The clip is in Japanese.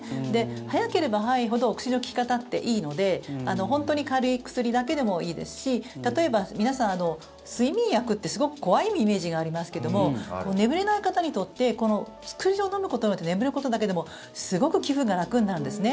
早ければ早いほど薬の効き方っていいので本当に軽い薬だけでもいいですし例えば、皆さん睡眠薬ってすごく怖いイメージがありますけども眠れない方にとって薬を飲むことによって眠ることだけでもすごく気分が楽になるんですね。